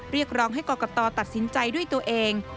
เรียกร้องให้กรกตตัดสินใจด้วยตัวเอง